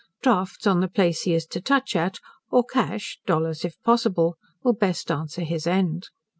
Drafts on the place he is to touch at, or cash (dollars if possible) will best answer his end.